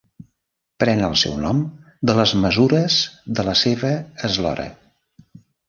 Pren el seu nom de les mesures de la seva eslora.